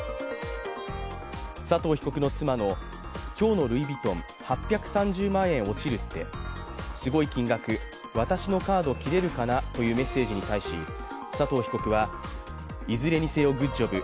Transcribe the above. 佐藤被告の妻の、今日のルイ・ヴィトン、８３０万円落ちるって、すごい金額、私のカード切れるかなというメッセージに対し佐藤被告は、いずれにせよグッジョブ。